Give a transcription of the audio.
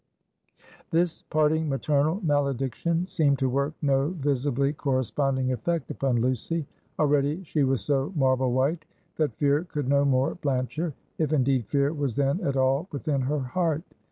This parting maternal malediction seemed to work no visibly corresponding effect upon Lucy; already she was so marble white, that fear could no more blanch her, if indeed fear was then at all within her heart.